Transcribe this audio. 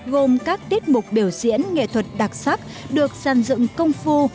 gồm các tiết mục biểu diễn nghệ thuật đặc sắc được sàn dựng công phu